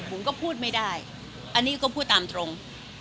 ผมก็พูดไม่ได้อันนี้ก็พูดตามตรง